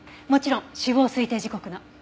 もちろん死亡推定時刻の。